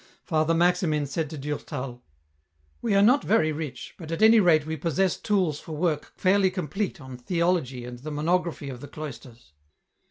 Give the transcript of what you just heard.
Father Maximin said to Durtal, " We are not very rich, but at any rate we possess tools for work fairly complete on theology and the monography of the cloisters."